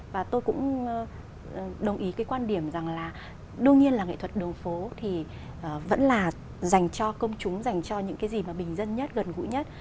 và tôi cũng đồng ý cái quan điểm rằng là đương nhiên là nghệ thuật đường phố thì vẫn là dành cho công chúng dành cho những cái gì mà bình dân nhất gần gũi nhất